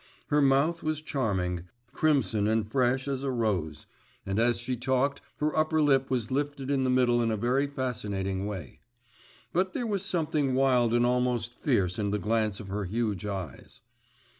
Her mouth was charming, crimson and fresh as a rose, and as she talked her upper lip was lifted in the middle in a very fascinating way. But there was something wild and almost fierce in the glance of her huge eyes.